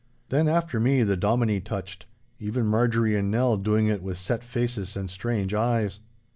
Then after me the Dominie touched—even Marjorie and Nell doing it with set faces and strange eyes.